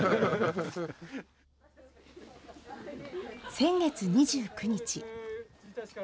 先月２９日。